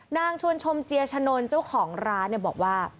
นางชวนชมเจียชนนเจ้าของร้านบอกว่า